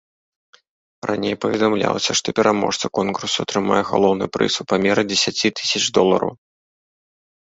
Раней паведамлялася, што пераможца конкурсу атрымае галоўны прыз у памеры дзесяці тысяч долараў.